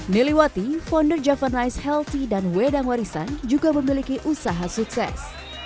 niliwati founder javanise healthy dan wedang warisan juga memiliki usaha sukses